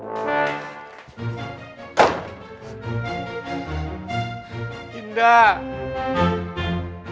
masih cemberut aja mi